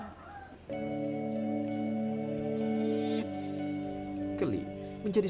keli menjadi suatu buah buah yang sangat berharga